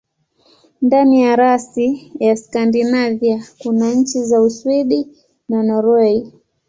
Ndani ya rasi ya Skandinavia kuna nchi za Uswidi na Norwei.